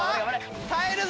耐えるぞ！